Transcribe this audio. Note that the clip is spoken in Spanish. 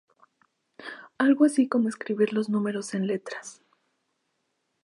Algo así como escribir los números en letras".